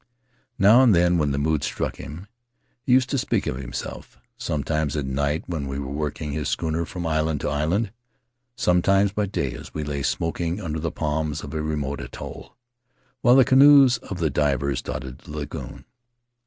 Now and then, when the mood struck him, he used to speak of himself; sometimes at night when we were working his schooner from island to island; sometimes by day, as we lay smoking under the palms of a remote atoll, while the canoes of the divers dotted the lagoon.